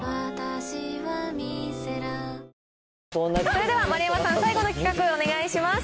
それでは丸山さん、最後の企画をお願いします。